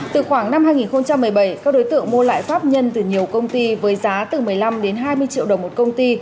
từ khoảng năm hai nghìn một mươi bảy các đối tượng mua lại pháp nhân từ nhiều công ty với giá từ một mươi năm đến hai mươi triệu đồng một công ty